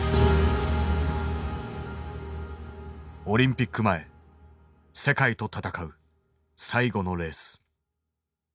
オリンピック前世界と戦う最後のレース。